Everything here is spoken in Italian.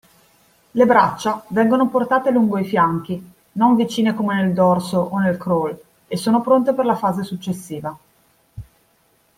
Le braccia vengono portate lungo i fianchi (non vicine come nel dorso e nel crawl) e sono pronte per la fase successiva.